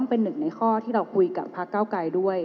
เป็นหนึ่งในข้อที่เราคุยกับพระเก้าไกรด้วย